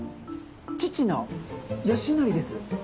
父の義則です。